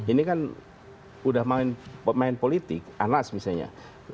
ini kan sudah main politik anas misalnya